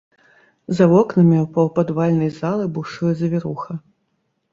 За вокнамі паўпадвальнай залы бушуе завіруха.